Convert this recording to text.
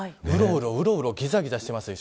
うろうろ、ぎざぎざしています。